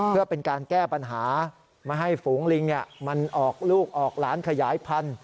เพื่อเป็นการแก้ปัญหาไม่ให้ฝูงลิงมันออกลูกออกหลานขยายพันธุ